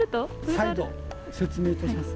再度、説明いたします。